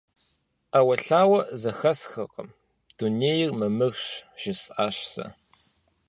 – Ӏэуэлъауэ зэхэсхыркъым, дунейр мамырщ, – жысӀащ сэ.